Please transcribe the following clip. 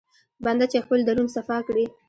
بنده چې خپل درون صفا کړي.